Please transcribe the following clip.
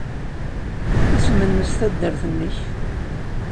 Isem-nnes taddart-nnek?